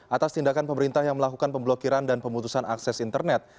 atas tindakan pemerintah yang melakukan pemblokiran dan pemutusan akses internet